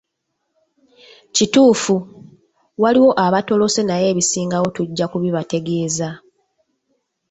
Kituufu, waliwo abatolose naye ebisingawo tujja kubibategeeza.